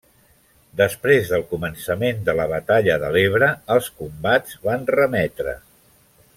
Després del començament de la batalla de l'Ebre els combats van remetre.